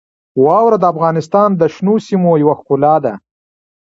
واوره د افغانستان د شنو سیمو یوه ښکلا ده.